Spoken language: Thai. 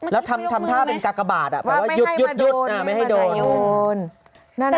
แล้วทำทำท่าเป็นกากบาดอ่ะแปลว่ายุดยุดยุดอ่ะไม่ให้โดน